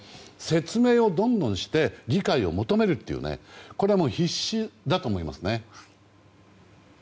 説明をどんどんして理解を求めるというこれは必至だと思います。